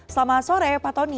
selamat sore pak tony